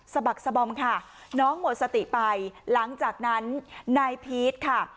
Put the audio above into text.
บักสบอมค่ะน้องหมดสติไปหลังจากนั้นนายพีชค่ะ